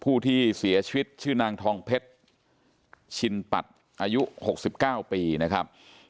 ผู้ที่เสียชีวิตชื่อนางทองเพชรชินปัดอายุ๖๙ปีนะครับ